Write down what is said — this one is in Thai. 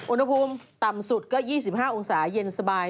อุณหภูมิต่ำสุดก็๒๕องศาเย็นสบาย